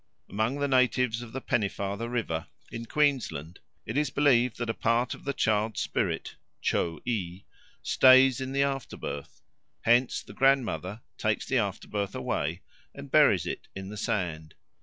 Among the natives on the Pennefather River in Queensland it is believed that a part of the child's spirit (cho i) stays in the afterbirth. Hence the grandmother takes the afterbirth away and buries it in the sand.